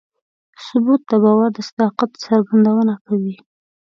ثبوت د باور د صداقت څرګندونه کوي.